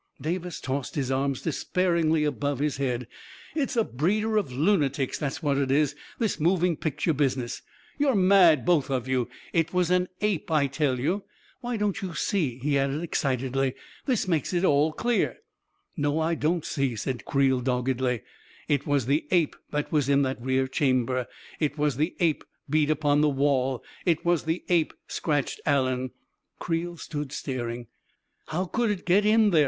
Davis tossed his arms despairingly above his head. 44 It's a breeder of lunatics, that's what it is — this moving picture business ! You're mad, both of you ! It was an ape, I tell you 1 Why, don't you see," he added excitedly, u this makes it all clear! " 44 No, I don't see," said Creel doggedly. 44 It was the ape that was in that rear chamber — it was the ape beat upon the wall — it was the ape scratched Allen ..." Creel stood staring. 44 How could it get in there